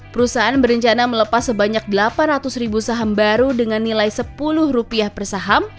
perusahaan berencana melepas sebanyak delapan ratus ribu saham baru dengan nilai sepuluh rupiah per saham